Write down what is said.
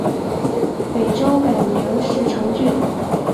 北周改名石城郡。